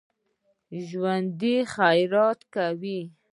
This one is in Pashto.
ژوندي خیرات کوي